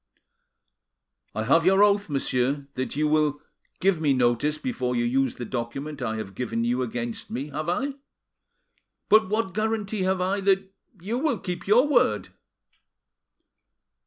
"I have your oath, monsieur, that you will give me notice before you use the document I have given you against me, have I? But what guarantee have I that you will keep your word?"